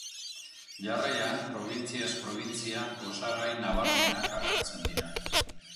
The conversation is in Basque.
Jarraian probintziaz probintzia osagai nabarmenak agertzen dira.